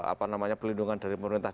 apa namanya pelindungan dari pemerintah